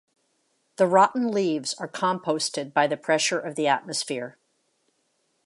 The rotten leaves are composted by the pressure of the atmosphere.